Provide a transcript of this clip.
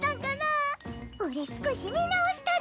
俺少し見直したど。